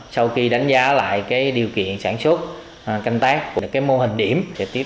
sau khi đánh giá lại cái điều kiện sản xuất canh tác của cái mô hình điểm